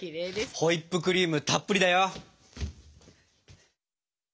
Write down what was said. ホイップクリームたっぷりだよ。